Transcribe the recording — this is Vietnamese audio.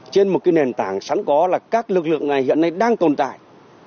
trên một nền tảng sẵn có là các lực lượng này hiện nay đang tồn tại